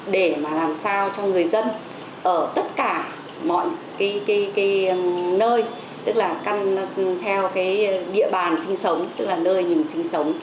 để mà làm sao cho người dân ở tất cả mọi cái nơi tức là theo cái địa bàn sinh sống tức là nơi mình sinh sống